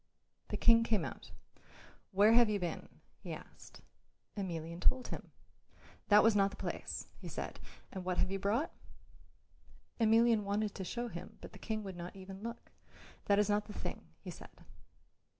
The King came out. "Where have you been?" he asked. Emelian told him. "That was not the place," he said. "And what have you brought?" Emelian wanted to show him, but the King would not even look. "That was not the thing," he said.